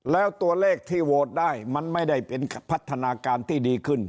แล้วตัวเลขที่โหวตได้มันไม่ได้เป็นพัฒนาการที่ดีขึ้น